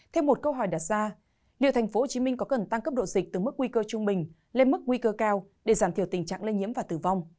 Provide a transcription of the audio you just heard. thêm một câu hỏi đặt ra liệu tp hcm có cần tăng cấp độ dịch từ mức nguy cơ trung bình lên mức nguy cơ cao để giảm thiểu tình trạng lây nhiễm và tử vong